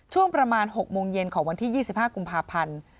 ช่วงประมาณ๖โมงเย็นของวันที่๒๕กุมภาพันธ์